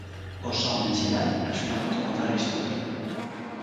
O son, en xeral, axuda moito a contar a historia.